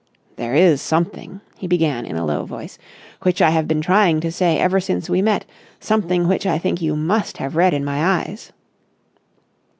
"There is something," he began in a low voice, "which I have been trying to say ever since we met, something which I think you must have read in my eyes."